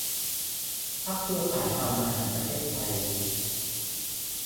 พรรคเครือข่ายชาวนาแห่งประเทศไทย